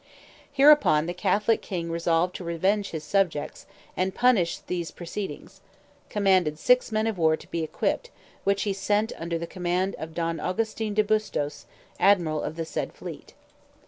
Hereupon the catholic king resolved to revenge his subjects, and punish these proceedings: commanded six men of war to be equipped, which he sent under the command of Don Augustine de Bustos, admiral of the said fleet.